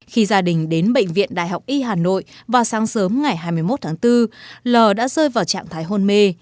khi gia đình đến bệnh viện đại học y hà nội vào sáng sớm ngày hai mươi một tháng bốn l đã rơi vào trạng thái hôn mê